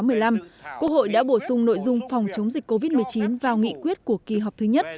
quốc hội đã bổ sung nội dung phòng chống dịch covid một mươi chín vào nghị quyết của kỳ họp thứ nhất